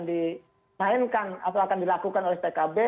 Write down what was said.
dimainkan atau akan dilakukan oleh pkb